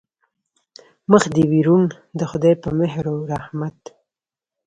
مخ دې وي روڼ د خدای په مهر و رحمت.